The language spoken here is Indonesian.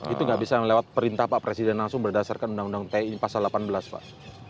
itu nggak bisa lewat perintah pak presiden langsung berdasarkan undang undang ti pasal delapan belas pak